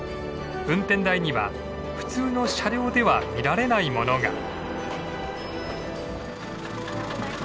運転台には普通の車両では見られないものが。